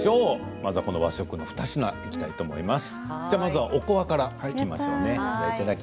まずは和食の２品いきたいと思います。